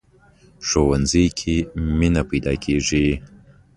ښوونځی کې مینه پيداکېږي